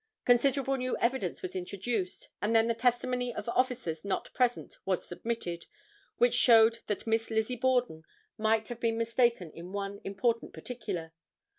Considerable new evidence was introduced, and then the testimony of officers not present was submitted, which showed that Miss Lizzie Borden might have been mistaken in one important particular.